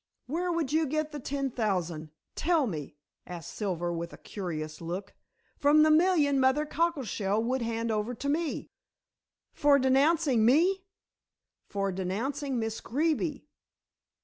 "Where would you get the ten thousand? Tell me!" asked Silver with a curious look. "From the million Mother Cockleshell would hand over to me." "For denouncing me?" "For denouncing Miss Greeby."